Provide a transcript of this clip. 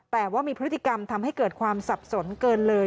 แต่ว่ามีพฤติกรรมทำให้เกิดความสับสนเกินเลย